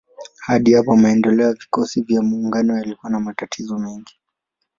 Hadi hapa maendeleo ya vikosi vya maungano yalikuwa na matatizo mengi.